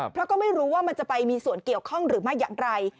เพราะก็ไม่รู้ว่ามันจะไปมีส่วนเกี่ยวข้องหรือไม่อย่างไร